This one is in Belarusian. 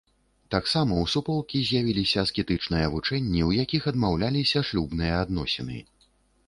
Таксама ў суполкі з'явіліся аскетычныя вучэнні, у якіх адмаўляліся шлюбныя адносіны.